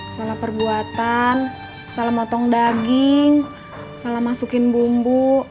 salah perbuatan salah motong daging salah masukin bumbu